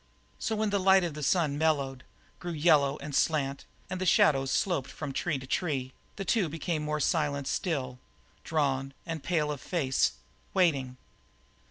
So when the light of the sun mellowed, grew yellow and slant, and the shadows sloped from tree to tree, the two became more silent still, drawn and pale of face, waiting.